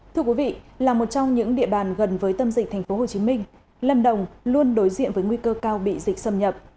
thưa quý vị là một trong những địa bàn gần với tâm dịch tp hcm lâm đồng luôn đối diện với nguy cơ cao bị dịch xâm nhập